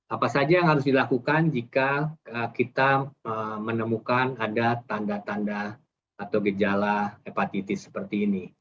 apa saja yang harus dilakukan jika kita menemukan ada tanda tanda atau gejala hepatitis seperti ini